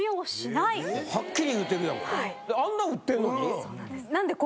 はっきり言うてるやん。